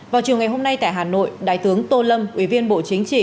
vào chiều ngày hôm nay tại hà nội đại tướng tô lâm ủy viên bộ chính trị